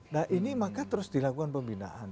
nah ini maka terus dilakukan pembinaan